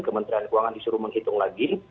kementerian keuangan disuruh menghitung lagi